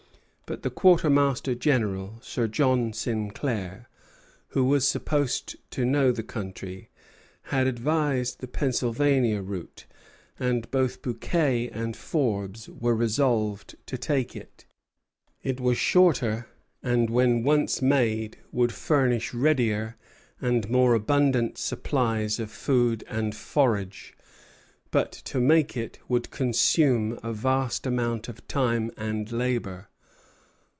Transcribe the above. But the quartermaster general, Sir John Sinclair, who was supposed to know the country, had advised the Pennsylvania route; and both Bouquet and Forbes were resolved to take it. It was shorter, and when once made would furnish readier and more abundant supplies of food and forage; but to make it would consume a vast amount of time and labor.